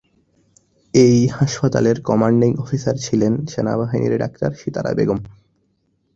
এই হাসপাতালের commanding officer ছিলেন সেনাবাহিনীর ডাক্তার সিতারা বেগম।